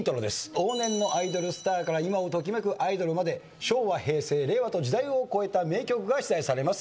往年のアイドルスターから今を時めくアイドルまで昭和平成令和と時代を超えた名曲が出題されます。